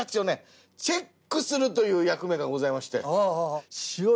チェックするという役目がございまして。